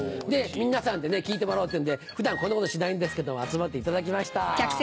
皆さんで聴いてもらおうっていうんで普段こんなことしないんですけど集まっていただきました。